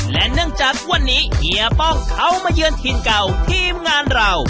และเนื่องจากวันนี้เฮียป้องเขามาเยือนถิ่นเก่าทีมงานเรา